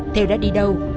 thêu đã đi đâu